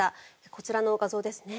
こちらの画像ですね。